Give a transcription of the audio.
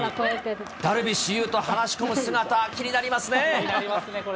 ダルビッシュ有と話し込む姿、気になりますね、これ。